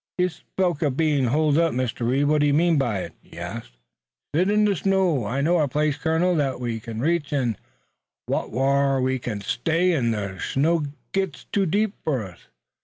"You spoke of our being holed up, Mr. Reed, what did you mean by it?" he asked. "Shet in by the snow. But I know a place, colonel, that we kin reach, an' whar we kin stay ef the snow gits too deep fur us.